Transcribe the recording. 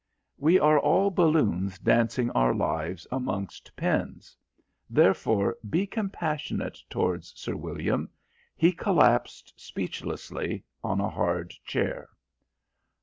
We are all balloons dancing our lives amongst pins. Therefore, be compassionate towards Sir William. He collapsed speechlessly on a hard chair.